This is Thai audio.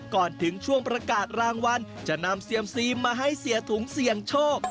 ก่อนถึงช่วงประกาศรางวัลจะนำเซียมซีมาให้เสียถุงเสี่ยงโชค